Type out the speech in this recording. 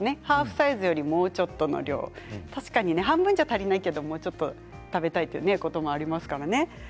ハーフサイズよりももうちょっとの量半分じゃ足りないけれどももうちょっと食べたいっていうことも、ありますからね。